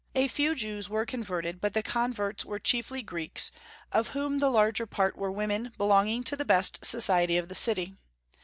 A few Jews were converted, but the converts were chiefly Greeks, of whom the larger part were women belonging to the best society of the city.